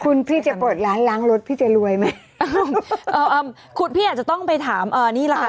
คุณพี่จะเปิดร้านล้างรถพี่จะรวยไหมเอ่อคุณพี่อาจจะต้องไปถามอ่านี่แหละค่ะ